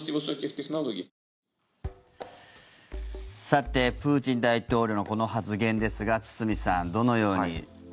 さて、プーチン大統領のこの発言ですが堤さん、どのように？